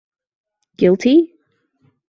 Guilty?